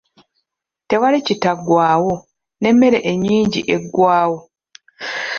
Tewali kitaggwaawo, n'emmere enyinji eggwawo.